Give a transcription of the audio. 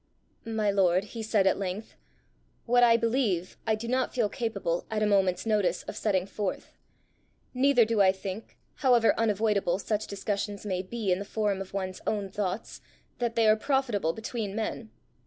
"My lord," he said at length, "what I believe, I do not feel capable, at a moment's notice, of setting forth; neither do I think, however unavoidable such discussions may be in the forum of one's own thoughts, that they are profitable between men.